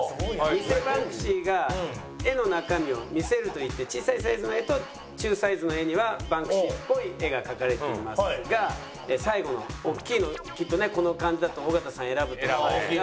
偽バンクシーが画の中身を見せるといって小さいサイズの画と中サイズの画にはバンクシーっぽい画が描かれていますが最後のおっきいのきっとねこの感じだと尾形さん選ぶと思いますけど。